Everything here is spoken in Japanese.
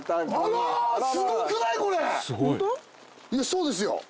そうですよ！